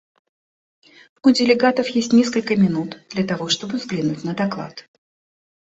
У делегатов есть несколько минут для того, чтобы взглянуть на доклад.